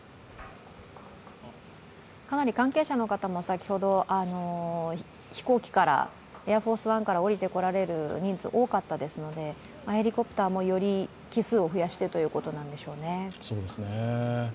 かなり関係者の方も先ほど飛行機からエアフォースワンから降りられる人数多かったですのでヘリコプターもより機数を増やしてということなんでしょうね。